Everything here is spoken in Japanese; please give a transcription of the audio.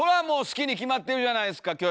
もう好きに決まってるじゃないですか！